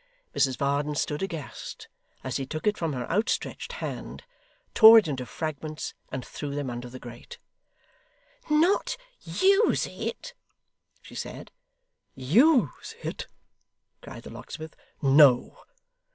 Mrs Varden stood aghast as he took it from her outstretched hand, tore it into fragments, and threw them under the grate. 'Not use it?' she said. 'Use it!' cried the locksmith. No!